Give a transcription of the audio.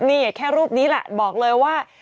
นี่แค่รูปนี้แหละบอกเลยว่า